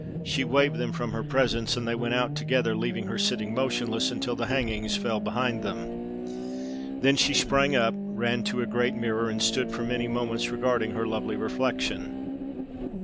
She waved them from her presence, and they went out together, leaving her sitting motionless until the hangings fell behind them. Then she sprang up, ran to a great mirror, and stood for many moments regarding her lovely reflection.